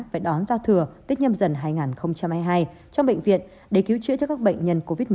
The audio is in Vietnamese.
phải đón giao thừa tết nhâm dần hai nghìn hai mươi hai trong bệnh viện để cứu chữa cho các bệnh nhân covid một mươi chín